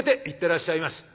「行ってらっしゃいまし」。